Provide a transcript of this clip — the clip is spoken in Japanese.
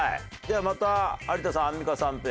ではまた有田さん・アンミカさんペア。